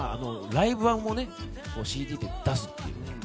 ライブ版をＣＤで出すという。